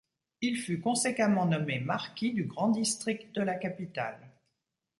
Il fut conséquemment nommé Marquis du Grand District de la Capitale.